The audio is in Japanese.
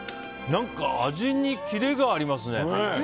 味にキレがありますね。